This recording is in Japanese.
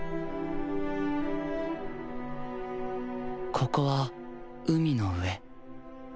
ここは海の上。